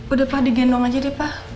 udah pak digendong aja deh pak